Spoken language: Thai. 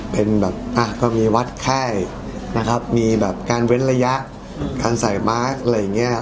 เป็นแบบก็มีวัดแค่มีแบบการเว้นระยะการใส่มาร์คอะไรอย่างนี้